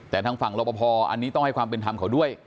แต่ทางฝั่งรบพออันนี้ต้องให้ความเป็นธรรมเขาด้วย